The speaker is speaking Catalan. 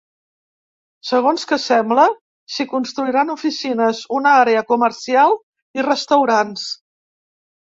Segons que sembla, s’hi construiran oficines, una àrea comercial i restaurants.